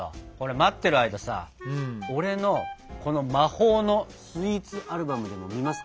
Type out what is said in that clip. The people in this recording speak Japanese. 待ってる間さ俺のこの魔法のスイーツアルバムでも見ますか？